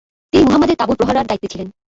তিনি মুহাম্মাদের তাবুর প্রহরার দায়িত্বে ছিলেন।